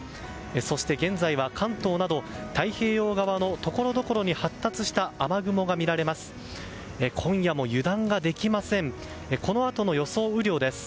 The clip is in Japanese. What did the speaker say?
そして現在は関東など太平洋側のところどころに発達した雨雲が見られます。